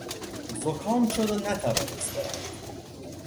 زکام شد و نتوانست برود.